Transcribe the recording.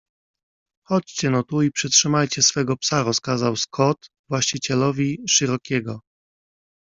Chodźcie no tu i przytrzymajcie swego psa rozkazał Scott właścicielowi Cherokeego.